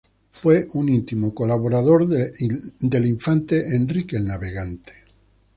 Fue un íntimo colaborador del Infante Enrique el Navegante.